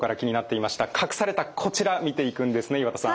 隠されたこちら見ていくんですね岩田さん。